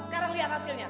sekarang lihat hasilnya